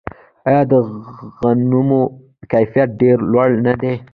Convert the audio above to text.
آیا د غنمو کیفیت ډیر لوړ نه دی؟